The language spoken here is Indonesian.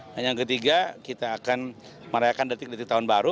dan yang ketiga kita akan merayakan detik detik tahun baru